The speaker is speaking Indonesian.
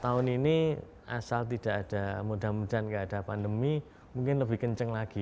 tahun ini asal tidak ada mudah mudahan tidak ada pandemi mungkin lebih kenceng lagi